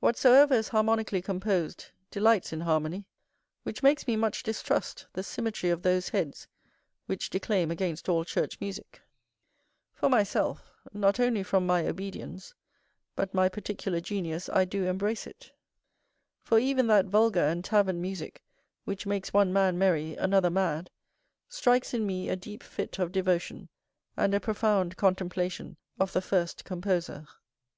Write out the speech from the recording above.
Whatsoever is harmonically composed delights in harmony, which makes me much distrust the symmetry of those heads which declaim against all church musick. For myself, not only from my obedience but my particular genius I do embrace it: for even that vulgar and tavern musick which makes one man merry, another mad, strikes in me a deep fit of devotion, and a profound contemplation of the first composer.